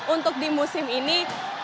untuk di musim ini